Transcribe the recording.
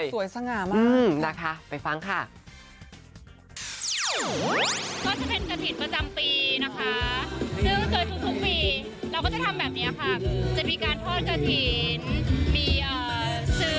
ที่เขาตอนเป็นเทส